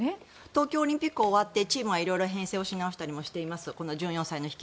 東京オリンピックが終わってチームは編成し直したりもしています。